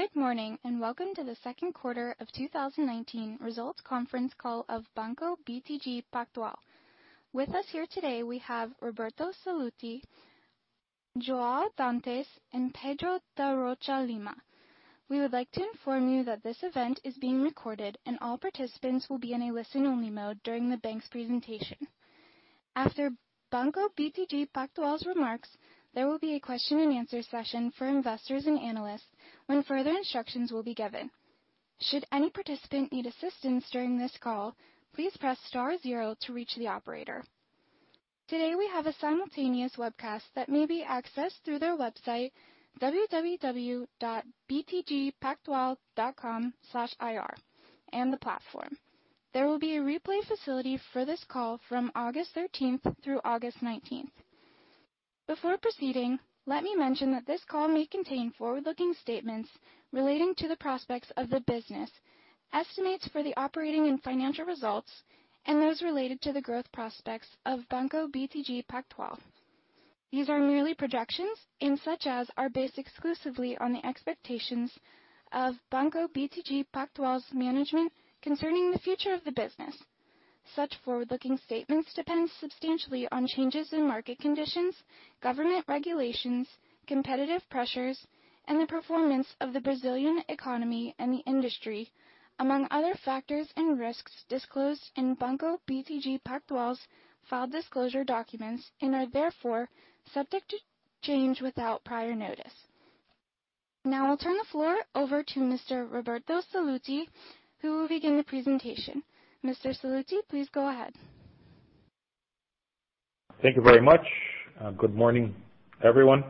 Good morning, welcome to the second quarter of 2019 results conference call of Banco BTG Pactual. With us here today, we have Roberto Sallouti, João Dantas, and Pedro da Rocha Lima. We would like to inform you that this event is being recorded, and all participants will be in a listen-only mode during the bank's presentation. After Banco BTG Pactual's remarks, there will be a question and answer session for investors and analysts when further instructions will be given. Should any participant need assistance during this call, please press star zero to reach the operator. Today, we have a simultaneous webcast that may be accessed through their website, www.btgpactual.com/ir, and the platform. There will be a replay facility for this call from August 13th through August 19th. Before proceeding, let me mention that this call may contain forward-looking statements relating to the prospects of the business, estimates for the operating and financial results, and those related to the growth prospects of Banco BTG Pactual. These are merely projections and such as are based exclusively on the expectations of Banco BTG Pactual's management concerning the future of the business. Such forward-looking statements depend substantially on changes in market conditions, government regulations, competitive pressures, and the performance of the Brazilian economy and the industry among other factors and risks disclosed in Banco BTG Pactual's filed disclosure documents and are therefore subject to change without prior notice. Now I'll turn the floor over to Mr. Roberto Sallouti, who will begin the presentation. Mr. Sallouti, please go ahead. Thank you very much. Good morning, everyone.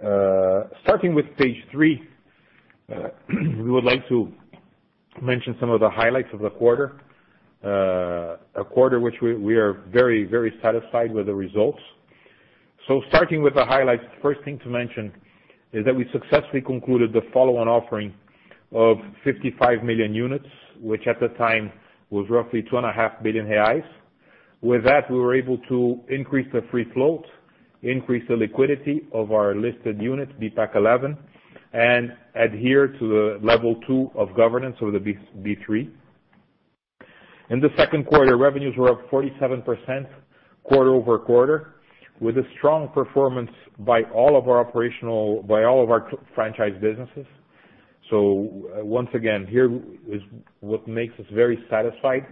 Starting with page three, we would like to mention some of the highlights of the quarter. A quarter which we are very satisfied with the results. Starting with the highlights, first thing to mention is that we successfully concluded the follow-on offering of 55 million units, which at the time was roughly 2.5 billion reais. With that, we were able to increase the free float, increase the liquidity of our listed units, BPAC11, and adhere to the level 2 of governance of the B3. In the second quarter, revenues were up 47% quarter-over-quarter with a strong performance by all of our franchise businesses. Once again, here is what makes us very satisfied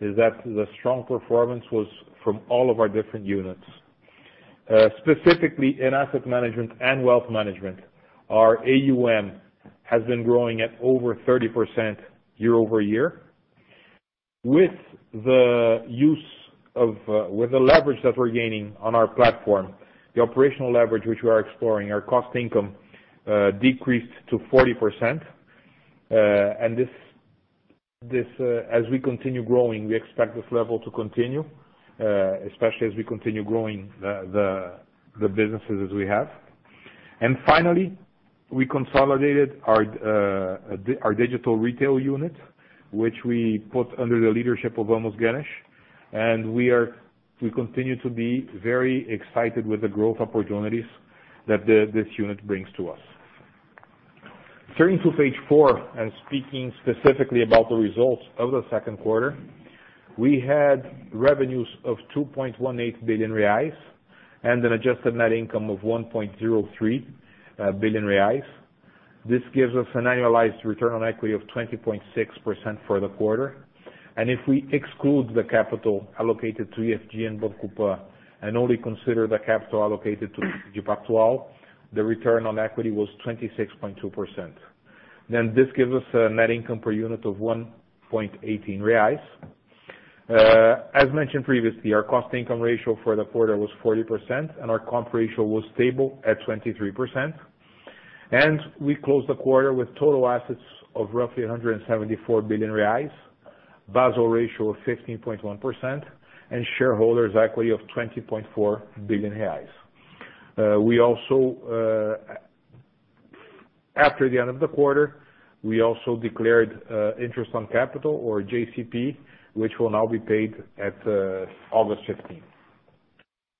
is that the strong performance was from all of our different units. Specifically, in asset management and wealth management, our AUM has been growing at over 30% year-over-year. With the leverage that we're gaining on our platform, the operational leverage which we are exploring, our cost income decreased to 40%. As we continue growing, we expect this level to continue, especially as we continue growing the businesses as we have. Finally, we consolidated our digital retail unit, which we put under the leadership of Amos Genish, and we continue to be very excited with the growth opportunities that this unit brings to us. Turning to page four and speaking specifically about the results of the second quarter, we had revenues of 2.18 billion reais and an adjusted net income of 1.03 billion reais. This gives us an annualized return on equity of 20.6% for the quarter. If we exclude the capital allocated to EFG and Banco Pan and only consider the capital allocated to BTG Pactual, the return on equity was 26.2%. This gives us a net income per unit of 1.18 reais. As mentioned previously, our cost income ratio for the quarter was 40% and our comp ratio was stable at 23%. We closed the quarter with total assets of roughly 174 billion reais, Basel ratio of 15.1%, and shareholders equity of 20.4 billion reais. After the end of the quarter, we also declared interest on capital or JCP, which will now be paid at August 15th.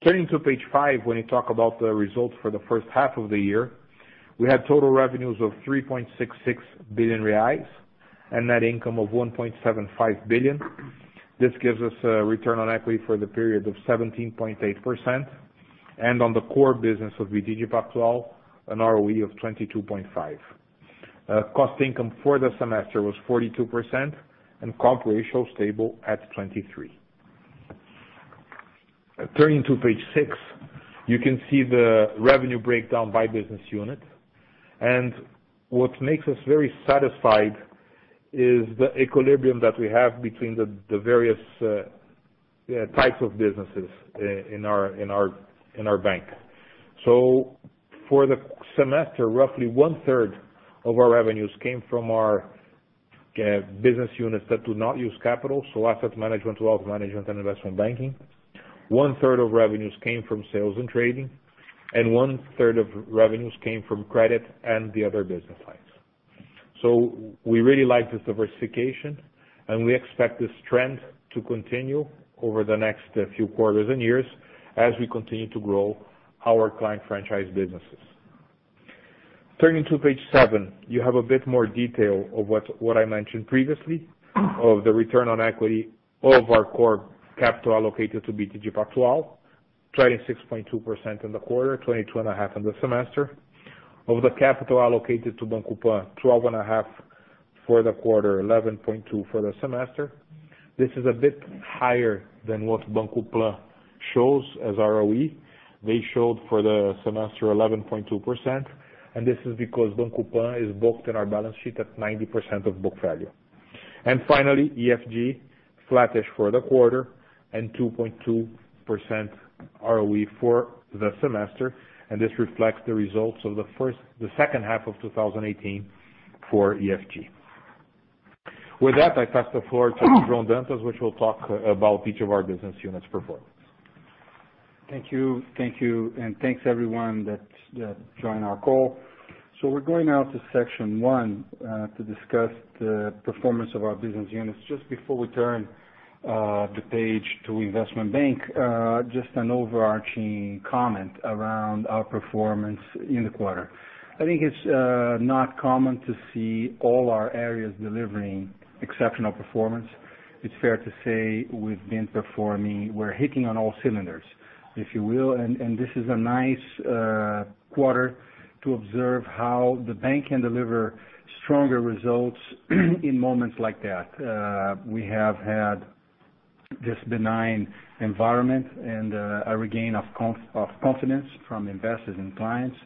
Turning to page five, when we talk about the results for the first half of the year, we had total revenues of 3.66 billion reais and net income of 1.75 billion. This gives us a return on equity for the period of 17.8% and on the core business of BTG Pactual, an ROE of 22.5%. Cost income for the semester was 42% and comp ratio stable at 23. Turning to page six, you can see the revenue breakdown by business unit. What makes us very satisfied is the equilibrium that we have between the various types of businesses in our bank. For the semester, roughly one-third of our revenues came from our business units that do not use capital, so asset management, wealth management, and investment banking. One-third of revenues came from sales and trading, and one-third of revenues came from credit and the other business lines. We really like this diversification and we expect this trend to continue over the next few quarters and years as we continue to grow our client franchise businesses. Turning to page seven, you have a bit more detail of what I mentioned previously of the return on equity of our core capital allocated to BTG Pactual, trading 6.2% in the quarter, 22.5% in the semester. Of the capital allocated to Banco Pan, 12.5% for the quarter, 11.2% for the semester. This is a bit higher than what Banco Pan shows as ROE. They showed for the semester 11.2%, and this is because Banco Pan is booked in our balance sheet at 90% of book value. Finally, EFG, flattish for the quarter and 2.2% ROE for the semester, and this reflects the results of the second half of 2018 for EFG. With that, I pass the floor to João Dantas, who will talk about each of our business units' performance. Thank you, thank you and thanks everyone that joined our call. We're going now to section one to discuss the performance of our business units. Just before we turn the page to Investment Bank, just an overarching comment around our performance in the quarter. I think it's not common to see all our areas delivering exceptional performance. It's fair to say we're hitting on all cylinders, if you will, and this is a nice quarter to observe how the bank can deliver stronger results in moments like that. We have had this benign environment and a regain of confidence from investors and clients,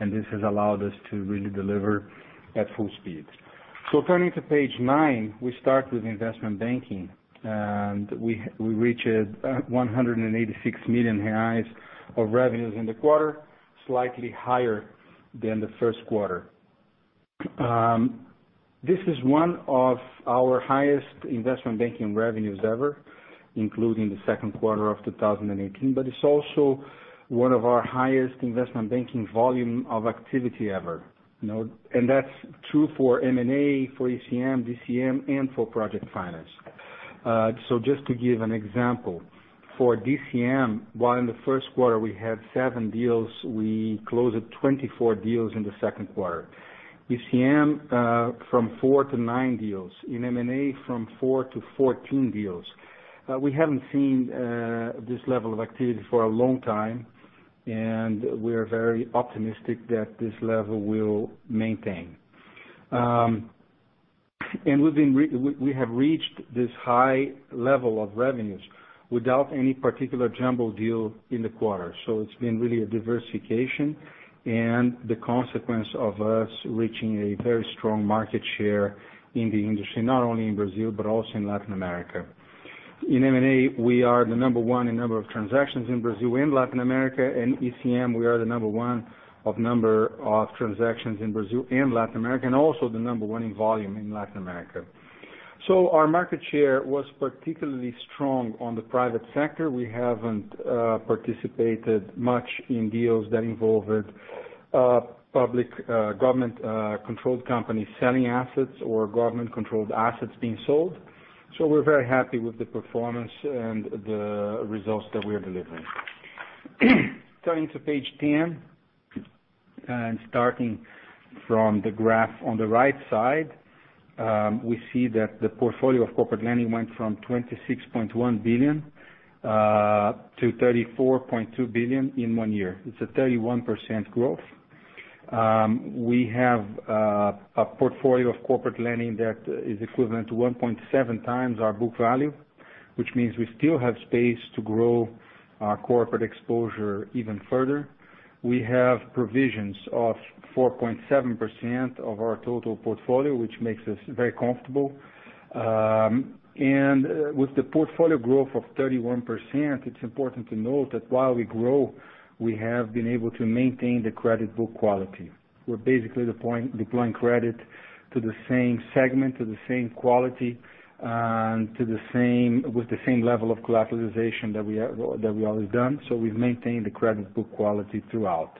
and this has allowed us to really deliver at full speed. Turning to page nine, we start with Investment Banking. We reached 186 million reais of revenues in the quarter, slightly higher than the first quarter. This is one of our highest investment banking revenues ever, including the second quarter of 2018. It's also one of our highest investment banking volume of activity ever. That's true for M&A, for ECM, DCM, and for project finance. Just to give an example, for DCM, while in the first quarter we had seven deals, we closed 24 deals in the second quarter. ECM, from four to nine deals. In M&A, from four to 14 deals. We haven't seen this level of activity for a long time, and we are very optimistic that this level will maintain. We have reached this high level of revenues without any particular jumbo deal in the quarter. It's been really a diversification and the consequence of us reaching a very strong market share in the industry, not only in Brazil, but also in Latin America. In M&A, we are the number one in number of transactions in Brazil and Latin America. In ECM, we are the number one of number of transactions in Brazil and Latin America, and also the number one in volume in Latin America. Our market share was particularly strong on the private sector. We haven't participated much in deals that involved public government-controlled companies selling assets or government-controlled assets being sold. We're very happy with the performance and the results that we are delivering. Turning to page 10 and starting from the graph on the right side, we see that the portfolio of corporate lending went from 26.1 billion to 34.2 billion in one year. It's a 31% growth. We have a portfolio of corporate lending that is equivalent to 1.7x our book value, which means we still have space to grow our corporate exposure even further. We have provisions of 4.7% of our total portfolio, which makes us very comfortable. With the portfolio growth of 31%, it's important to note that while we grow, we have been able to maintain the credit book quality. We're basically deploying credit to the same segment, to the same quality, and with the same level of collateralization that we have always done. We've maintained the credit book quality throughout.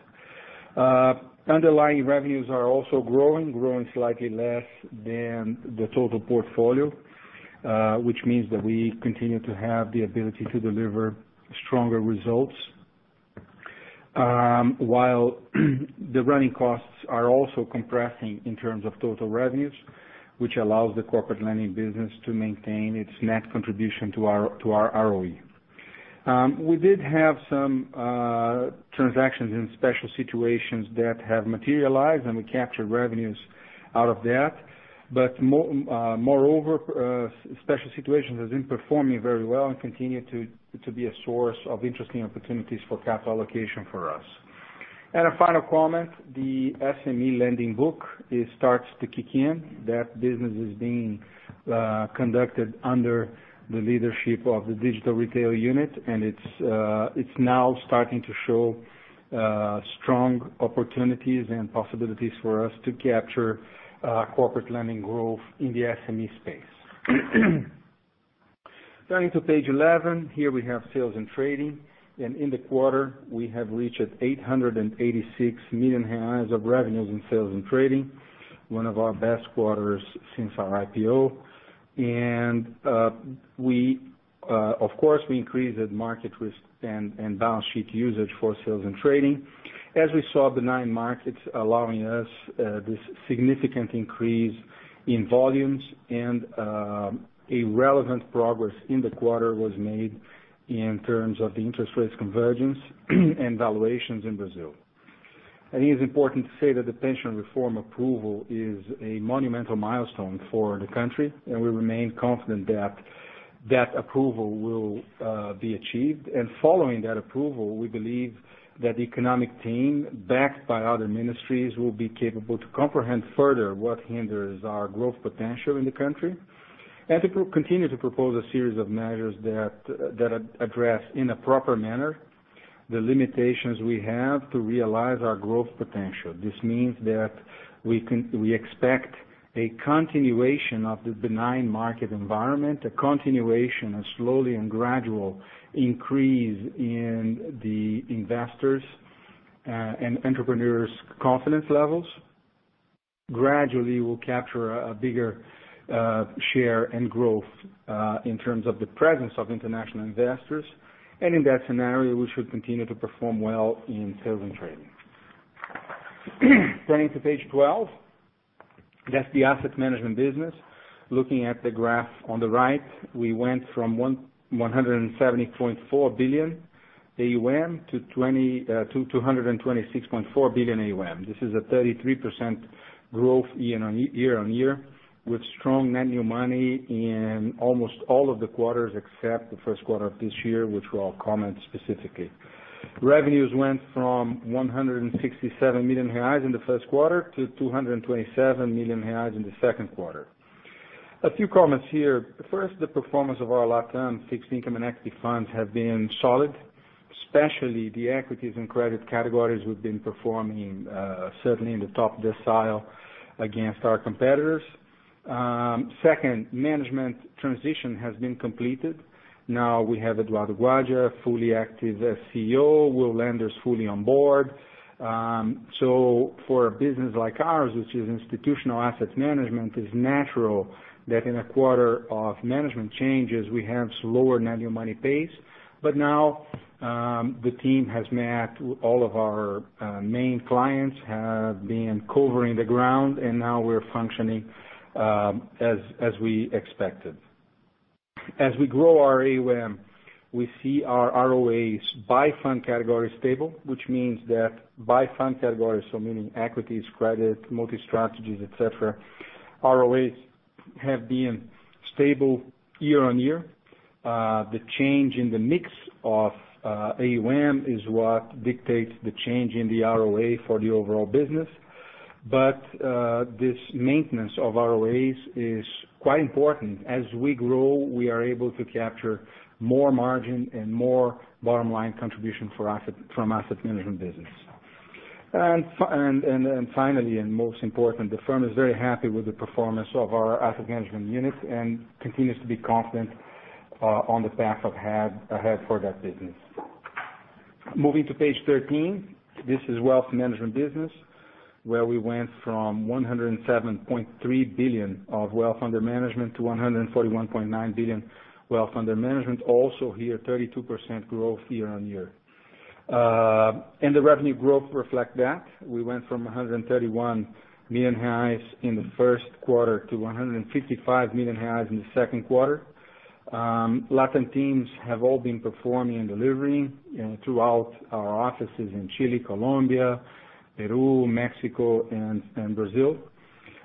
Underlying revenues are also growing slightly less than the total portfolio, which means that we continue to have the ability to deliver stronger results. While the running costs are also compressing in terms of total revenues, which allows the corporate lending business to maintain its net contribution to our ROE. We did have some transactions in special situations that have materialized, and we captured revenues out of that. Moreover, special situations has been performing very well and continue to be a source of interesting opportunities for capital allocation for us. A final comment, the SME lending book, it starts to kick in. That business is being conducted under the leadership of the digital retail unit, and it's now starting to show strong opportunities and possibilities for us to capture corporate lending growth in the SME space. Turning to page 11, here we have sales and trading. In the quarter, we have reached 886 million of revenues in sales and trading, one of our best quarters since our IPO. Of course, we increased the market risk and balance sheet usage for sales and trading. As we saw, benign markets allowing us this significant increase in volumes and a relevant progress in the quarter was made in terms of the interest rates convergence and valuations in Brazil. It is important to say that the pension reform approval is a monumental milestone for the country, and we remain confident that that approval will be achieved. Following that approval, we believe that the economic team, backed by other ministries, will be capable to comprehend further what hinders our growth potential in the country, and to continue to propose a series of measures that address, in a proper manner, the limitations we have to realize our growth potential. This means that we expect a continuation of the benign market environment, a continuation, a slowly and gradual increase in the investors' and entrepreneurs' confidence levels. Gradually, we'll capture a bigger share and growth in terms of the presence of international investors. In that scenario, we should continue to perform well in sales and trading. Turning to page 12, that's the asset management business. Looking at the graph on the right, we went from 170.4 billion AUM to 226.4 billion AUM. This is a 33% growth year-on-year with strong net new money in almost all of the quarters except the first quarter of this year, which we will comment specifically. Revenues went from 167 million reais in the first quarter to 227 million reais in the second quarter. A few comments here. First, the performance of our LatAm fixed income and equity funds have been solid, especially the equities and credit categories we've been performing certainly in the top decile against our competitors. Second, management transition has been completed. We have Eduardo Guardia fully active as CEO. Will Landers is fully on board. For a business like ours, which is institutional asset management, it's natural that in a quarter of management changes, we have slower net new money pace. Now, the team has met all of our main clients, have been covering the ground, and now we're functioning as we expected. As we grow our AUM, we see our ROAs by fund category stable, which means that by fund category, so meaning equities, credit, multi-strategies, etc., ROAs have been stable year-on-year. The change in the mix of AUM is what dictates the change in the ROA for the overall business. This maintenance of ROAs is quite important. As we grow, we are able to capture more margin and more bottom-line contribution from asset management business. Finally, and most important, the firm is very happy with the performance of our asset management unit and continues to be confident on the path ahead for that business. Moving to page 13, this is wealth management business, where we went from 107.3 billion of wealth under management to 141.9 billion wealth under management. Also here, 32% growth year-on-year. The revenue growth reflect that. We went from 131 million in the first quarter to 155 million in the second quarter. LatAm teams have all been performing and delivering throughout our offices in Chile, Colombia, Peru, Mexico, and Brazil.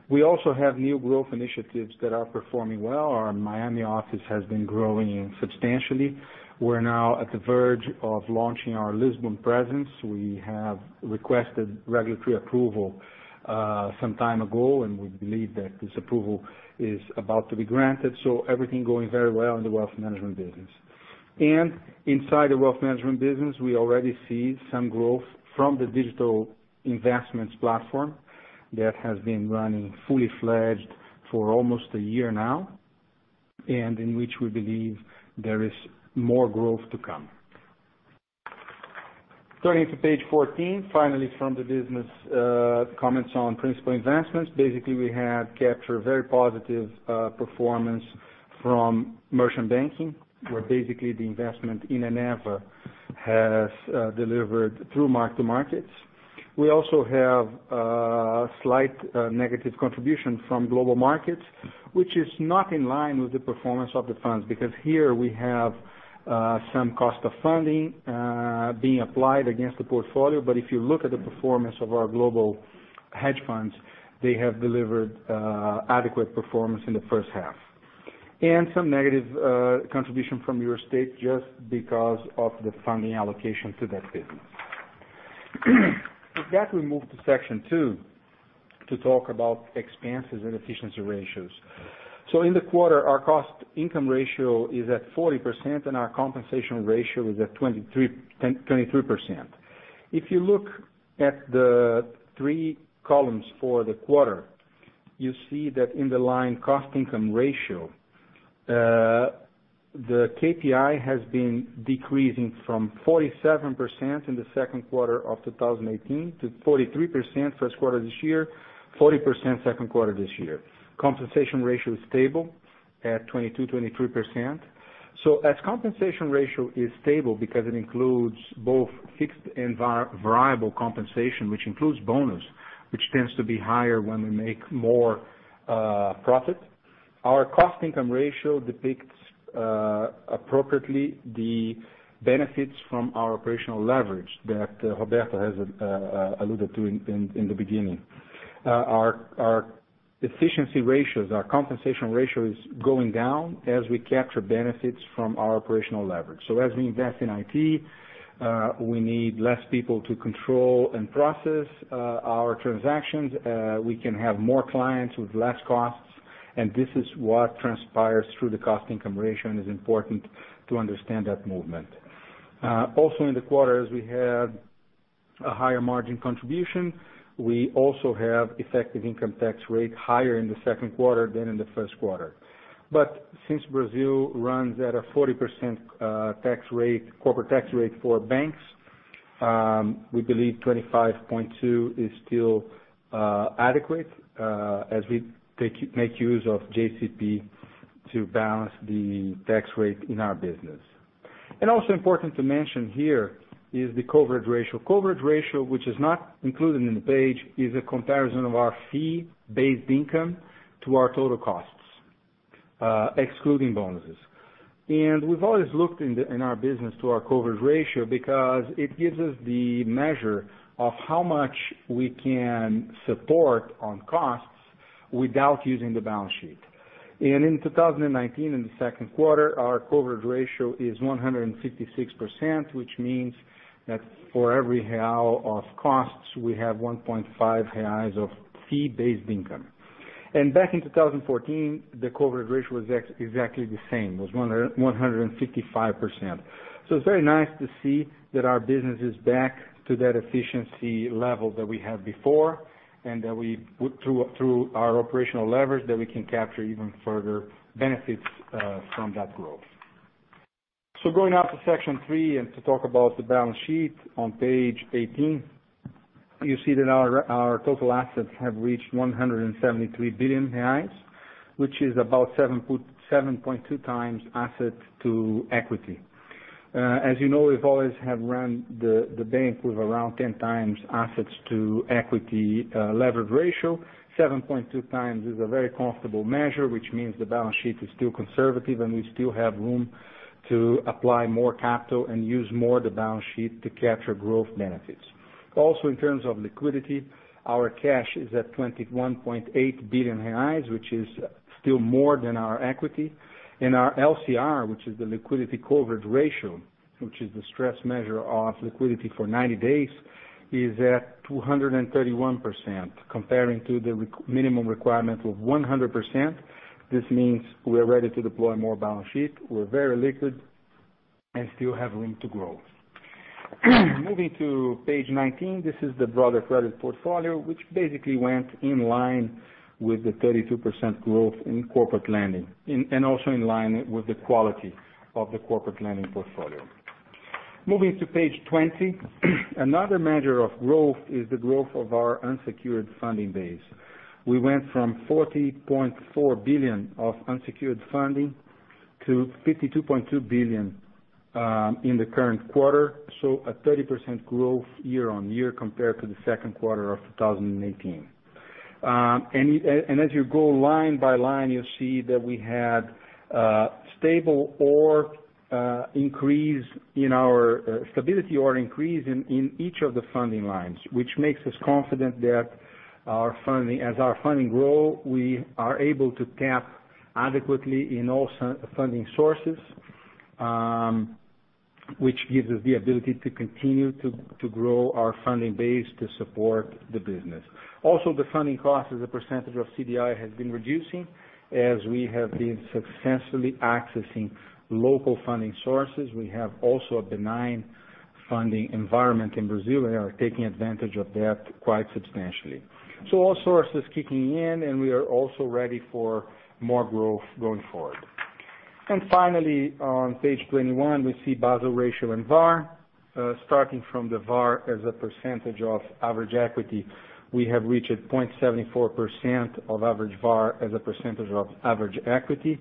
We also have new growth initiatives that are performing well. Our Miami office has been growing substantially. We're now at the verge of launching our Lisbon presence. We have requested regulatory approval some time ago, and we believe that this approval is about to be granted, so everything going very well in the wealth management business. Inside the wealth management business, we already see some growth from the digital investments platform that has been running fully fledged for almost a year now, and in which we believe there is more growth to come. Turning to page 14, finally from the business, comments on principal investments. Basically, we have captured very positive performance from merchant banking, where basically the investment in Eneva has delivered through mark to markets. We also have a slight negative contribution from global markets, which is not in line with the performance of the funds, because here we have some cost of funding being applied against the portfolio. If you look at the performance of our global hedge funds, they have delivered adequate performance in the first half. Some negative contribution from real estate just because of the funding allocation to that business. With that, we move to section two to talk about expenses and efficiency ratios. In the quarter, our cost income ratio is at 40%, and our compensation ratio is at 23%. If you look at the three columns for the quarter. You see that in the line cost income ratio, the KPI has been decreasing from 47% in the second quarter of 2018 to 43% first quarter this year, 40% second quarter this year. Compensation ratio is stable at 22%, 23%. As compensation ratio is stable because it includes both fixed and variable compensation, which includes bonus, which tends to be higher when we make more profit. Our cost income ratio depicts appropriately the benefits from our operational leverage that Roberto has alluded to in the beginning. Our efficiency ratios, our compensation ratio is going down as we capture benefits from our operational leverage. As we invest in IT, we need less people to control and process our transactions. We can have more clients with less costs, and this is what transpires through the cost income ratio, and is important to understand that movement. Also in the quarters, we had a higher margin contribution. We also have effective income tax rate higher in the second quarter than in the first quarter. Since Brazil runs at a 40% corporate tax rate for banks, we believe 25.2% is still adequate as we make use of JCP to balance the tax rate in our business. Also important to mention here is the coverage ratio. Coverage ratio, which is not included in the page, is a comparison of our fee-based income to our total costs, excluding bonuses. We've always looked in our business to our coverage ratio because it gives us the measure of how much we can support on costs without using the balance sheet. In 2019, in the second quarter, our coverage ratio is 156%, which means that for every BRL of costs, we have 1.5 reais of fee-based income. Back in 2014, the coverage ratio was exactly the same, was 155%. It's very nice to see that our business is back to that efficiency level that we had before, and that through our operational leverage, that we can capture even further benefits from that growth. Going on to section three and to talk about the balance sheet on page 18. You see that our total assets have reached 173 billion reais, which is about 7.2 times asset to equity. As you know, we've always have run the bank with around 10 times assets to equity levered ratio. 7.2 times is a very comfortable measure, which means the balance sheet is still conservative, and we still have room to apply more capital and use more the balance sheet to capture growth benefits. Also, in terms of liquidity, our cash is at 21.8 billion reais, which is still more than our equity, and our LCR, which is the liquidity coverage ratio, which is the stress measure of liquidity for 90 days, is at 231%, comparing to the minimum requirement of 100%. This means we are ready to deploy more balance sheet. We're very liquid and still have room to grow. Moving to page 19, this is the broader credit portfolio, which basically went in line with the 32% growth in corporate lending and also in line with the quality of the corporate lending portfolio. Moving to page 20, another measure of growth is the growth of our unsecured funding base. We went from 40.4 billion of unsecured funding to 52.2 billion in the current quarter. A 30% growth year-on-year compared to the second quarter of 2018. As you go line by line, you'll see that we had stability or increase in each of the funding lines, which makes us confident that as our funding grow, we are able to cap adequately in all funding sources, which gives us the ability to continue to grow our funding base to support the business. The funding cost as a percentage of CDI has been reducing as we have been successfully accessing local funding sources. We have also a benign funding environment in Brazil and are taking advantage of that quite substantially. All sources kicking in. We are also ready for more growth going forward. Finally, on page 21, we see Basel ratio and VaR. Starting from the VaR as a percentage of average equity, we have reached 0.74% of average VaR as a percentage of average equity.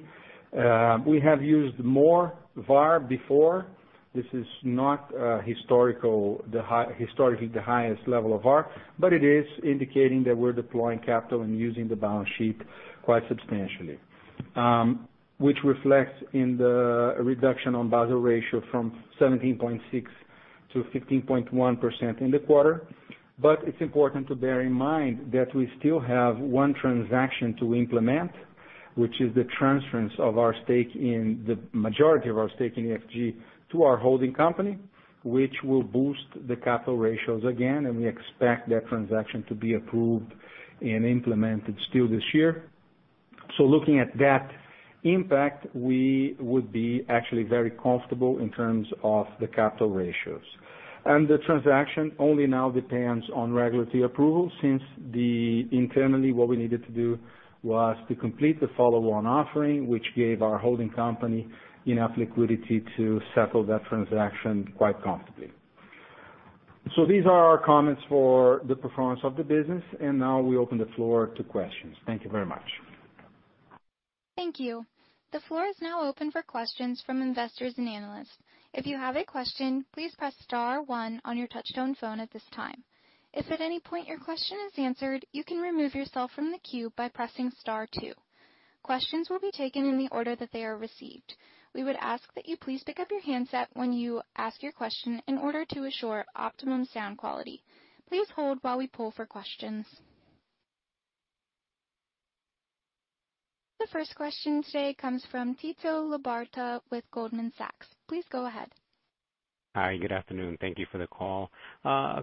We have used more VaR before. This is not historically the highest level of VaR, it is indicating that we're deploying capital and using the balance sheet quite substantially, which reflects in the reduction on Basel ratio from 17.6%-15.1% in the quarter. It's important to bear in mind that we still have one transaction to implement, which is the transference of the majority of our stake in EFG to our holding company, which will boost the capital ratios again, and we expect that transaction to be approved and implemented still this year. Looking at that impact, we would be actually very comfortable in terms of the capital ratios. The transaction only now depends on regulatory approval, since internally what we needed to do was to complete the follow-on offering, which gave our holding company enough liquidity to settle that transaction quite comfortably. These are our comments for the performance of the business, and now we open the floor to questions. Thank you very much. Thank you. The floor is now open for questions from investors and analysts. If you have a question, please press star one on your touch-tone phone at this time. If at any point your question is answered, you can remove yourself from the queue by pressing star two. Questions will be taken in the order that they are received. We would ask that you please pick up your handset when you ask your question in order to assure optimum sound quality. Please hold while we pull for questions. The first question today comes from Tito Labarta with Goldman Sachs. Please go ahead. Hi, good afternoon. Thank you for the call. A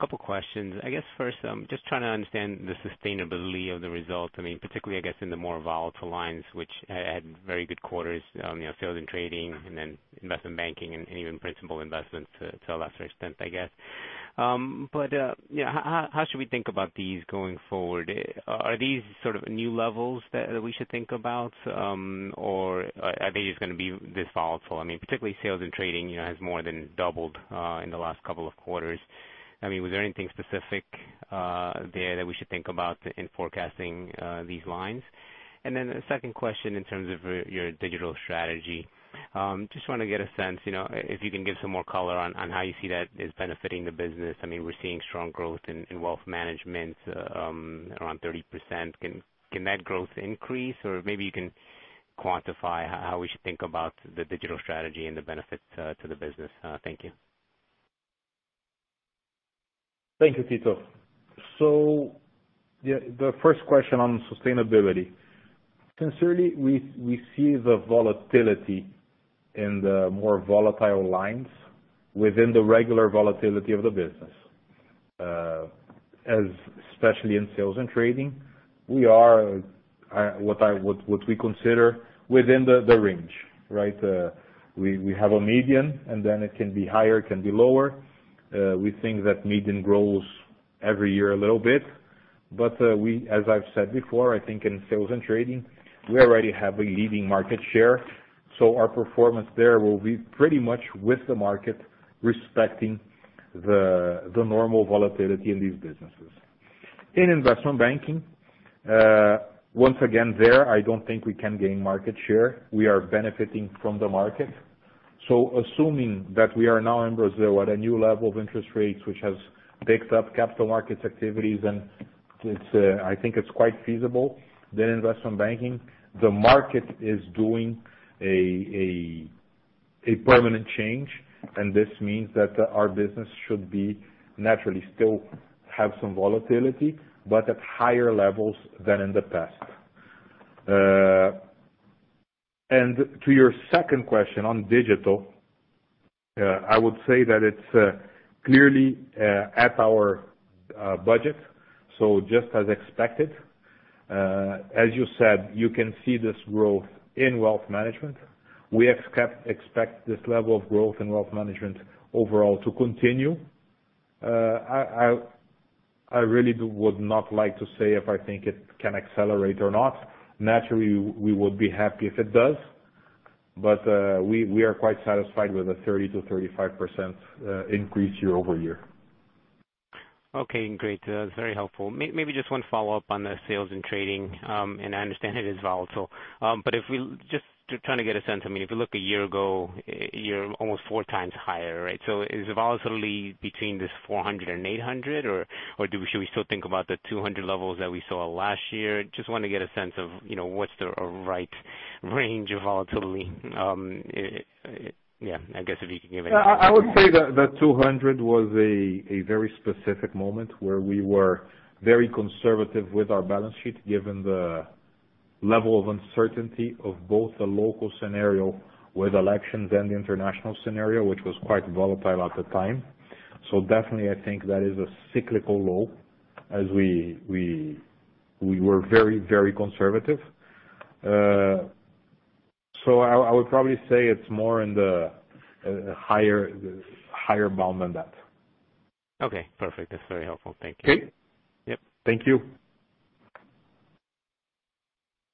couple of questions. I guess first, just trying to understand the sustainability of the results. Particularly, I guess, in the more volatile lines, which had very good quarters, sales and trading and then investment banking and even principal investments to a lesser extent, I guess. How should we think about these going forward? Are they just going to be this volatile? Particularly sales and trading has more than doubled in the last couple of quarters. Was there anything specific there that we should think about in forecasting these lines? A second question in terms of your digital strategy. I just want to get a sense, if you can give some more color on how you see that as benefiting the business. We're seeing strong growth in wealth management around 30%. Can that growth increase? Or maybe you can quantify how we should think about the digital strategy and the benefits to the business. Thank you. Thank you, Tito. The first question on sustainability. Sincerely, we see the volatility in the more volatile lines within the regular volatility of the business. Especially in sales and trading, we are what we consider within the range. We have a median, and then it can be higher, it can be lower. We think that median grows every year a little bit. As I've said before, I think in sales and trading, we already have a leading market share, so our performance there will be pretty much with the market respecting the normal volatility in these businesses. In investment banking, once again, there, I don't think we can gain market share. We are benefiting from the market. Assuming that we are now in Brazil at a new level of interest rates, which has picked up capital markets activities, and I think it's quite feasible that investment banking, the market is doing a permanent change, and this means that our business should naturally still have some volatility, but at higher levels than in the past. To your second question on digital, I would say that it's clearly at our budget, so just as expected. As you said, you can see this growth in wealth management. We expect this level of growth in wealth management overall to continue. I really would not like to say if I think it can accelerate or not. Naturally, we would be happy if it does. We are quite satisfied with a 30%-35% increase year-over-year. Okay, great. That's very helpful. Maybe just one follow-up on the sales and trading, and I understand it is volatile. Just trying to get a sense, if you look a year ago, you're almost four times higher, right? Is the volatility between this 400 and 800? Or should we still think about the 200 levels that we saw last year? Just want to get a sense of what's the right range of volatility. Yeah, I guess if you can give any. I would say that 200 was a very specific moment where we were very conservative with our balance sheet, given the level of uncertainty of both the local scenario with elections and the international scenario, which was quite volatile at the time. Definitely, I think that is a cyclical low as we were very conservative. I would probably say it's more in the higher bound than that. Okay, perfect. That's very helpful. Thank you. Okay. Yep. Thank you.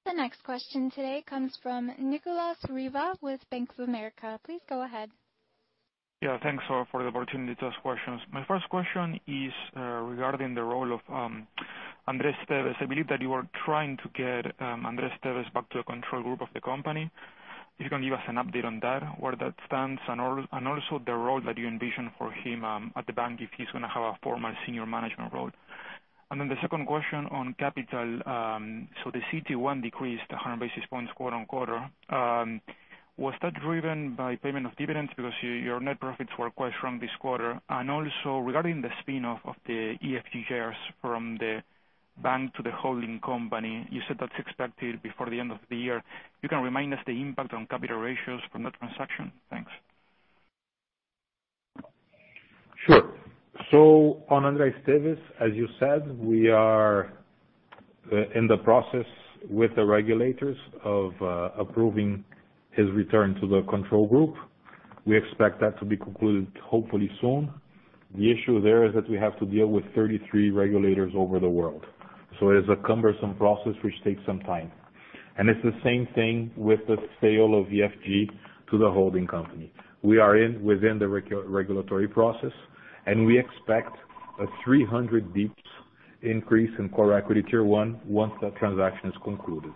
The next question today comes from Nicolas Riva with Bank of America. Please go ahead. Thanks for the opportunity to ask questions. My first question is regarding the role of André Esteves. I believe that you are trying to get André Esteves back to a control group of the company. If you can give us an update on that, where that stands, and also the role that you envision for him at the bank, if he's going to have a formal senior management role. The second question on capital. The CET1 decreased 100 basis points quarter-on-quarter. Was that driven by payment of dividends? Your net profits were quite strong this quarter. Also regarding the spin-off of the EFG shares from the bank to the holding company, you said that's expected before the end of the year. You can remind us the impact on capital ratios from that transaction? Thanks. Sure. On André Esteves, as you said, we are in the process with the regulators of approving his return to the control group. We expect that to be concluded hopefully soon. The issue there is that we have to deal with 33 regulators over the world. It is a cumbersome process, which takes some time. It's the same thing with the sale of EFG to the holding company. We are within the regulatory process, and we expect a 300 basis points increase in core equity Tier 1 once that transaction is concluded.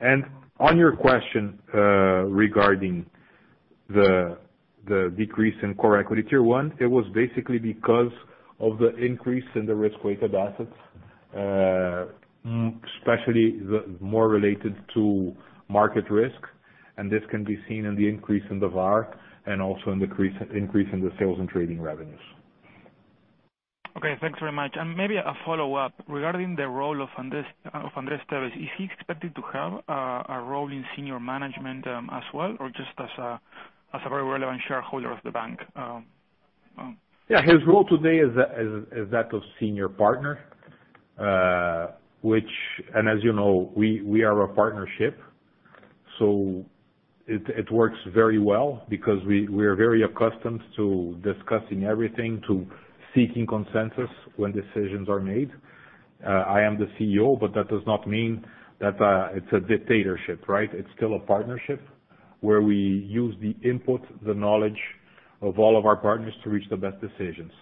On your question regarding the decrease in core equity Tier 1, it was basically because of the increase in the risk-weighted assets, especially more related to market risk, and this can be seen in the increase in the VaR, and also an increase in the sales and trading revenues. Okay, thanks very much. Maybe a follow-up. Regarding the role of André Esteves, is he expected to have a role in senior management as well, or just as a very relevant shareholder of the bank? Yeah. His role today is that of senior partner. As you know, we are a partnership, so it works very well because we are very accustomed to discussing everything, to seeking consensus when decisions are made. I am the CEO, but that does not mean that it's a dictatorship, right? It's still a partnership where we use the input, the knowledge of all of our partners to reach the best decisions.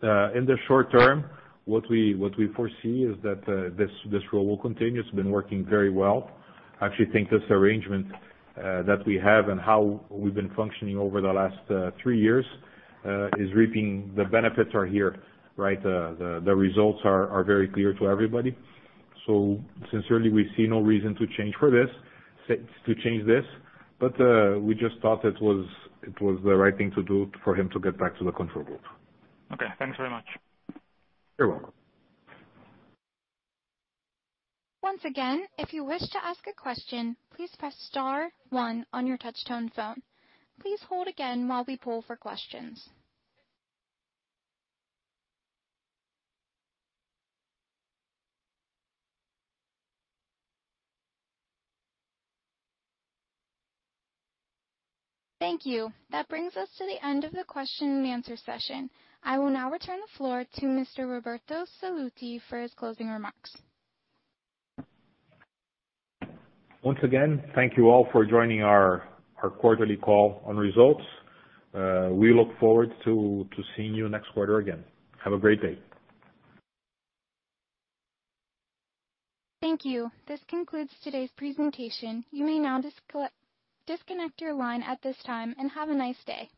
In the short term, what we foresee is that this role will continue. It's been working very well. I actually think this arrangement that we have and how we've been functioning over the last three years, the benefits are here, right? The results are very clear to everybody. Sincerely, we see no reason to change this. We just thought it was the right thing to do for him to get back to the control group. Okay, thanks very much. You're welcome. Once again, if you wish to ask a question, please press *1 on your touch tone phone. Please hold again while we poll for questions. Thank you. That brings us to the end of the question and answer session. I will now return the floor to Mr. Roberto Sallouti for his closing remarks. Once again, thank you all for joining our quarterly call on results. We look forward to seeing you next quarter again. Have a great day. Thank you. This concludes today's presentation. You may now disconnect your line at this time. Have a nice day.